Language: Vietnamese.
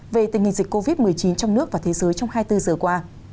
về tình hình dịch covid một mươi chín trong nước và thế giới trong hai mươi bốn giờ qua